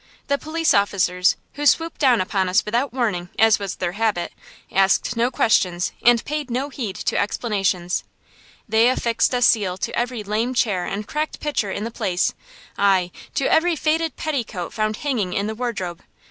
The police officers, who swooped down upon us without warning, as was their habit, asked no questions and paid no heed to explanations. They affixed a seal to every lame chair and cracked pitcher in the place; aye, to every faded petticoat found hanging in the wardrobe.